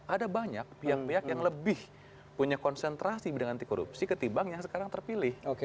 ada banyak pihak pihak yang lebih punya konsentrasi bidang anti korupsi ketimbang yang sekarang terpilih